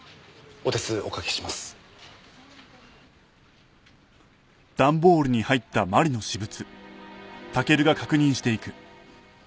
お手数おかけします。